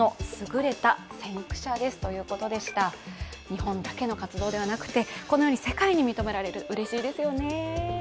日本だけの活動ではなくて、このように世界に認められる、うれしいですよね。